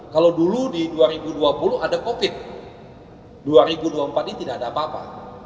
kalau dulu di dua ribu dua puluh ada covid dua ribu dua puluh empat ini tidak ada apa apa